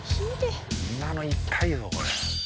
今の痛いぞこれ。